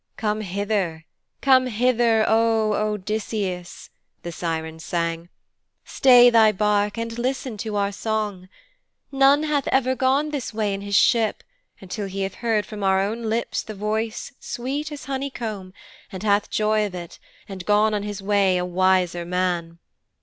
'"Come hither, come hither, O Odysseus," the Sirens sang, "stay thy bark and listen to our song. None hath ever gone this way in his ship until he hath heard from our own lips the voice sweet as a honeycomb, and hath joy of it, and gone on his way a wiser man.